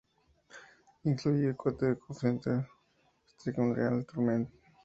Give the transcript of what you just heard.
Incluye Quake, Counter-Strike, Unreal Tournament